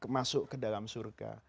masuk ke dalam surga